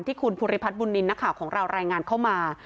คุณภูริพัฒนบุญนินทร์นักข่าวของเรารายงานเข้ามา